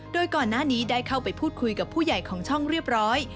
โดยก่อนหน้านี้ได้เข้าไปพูดคุยกับผู้ใหญ่ของช่องเรียบร้อย